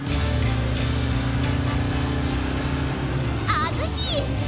あずき！